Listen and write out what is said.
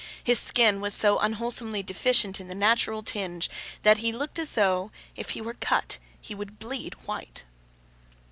His skin was so unwholesomely deficient in the natural tinge, that he looked as though, if he were cut, he would bleed white.